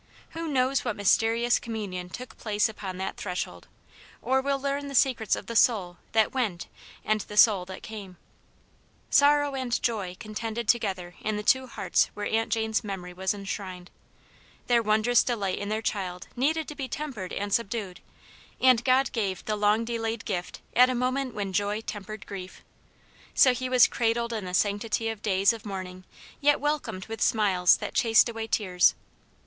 Who knows what mysterious communion took place upon that threshold, or will learn the secrets of the soul that went and the soul that came ? Sorrow and joy contended together in the two 252 Aunt Janets Hero. hearts where Aunt Jane's memory was enshrined. Their wondrous delight in their child needed to be tempered and subdued, and God gave the long delayed gift at a moment when joy tempered grief* So he was cradled in the sanctity of days of mourn ing, yet welcomed with smiles that chased away tears.